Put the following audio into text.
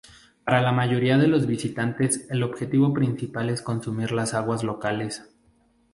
Para la mayoría de los visitantes el objetivo principal es consumir las aguas locales.